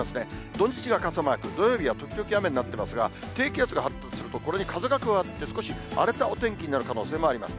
土日が傘マーク、土曜日は時々雨になってますが、低気圧が発達すると、これに風が加わって、少し荒れたお天気になる可能性もあります。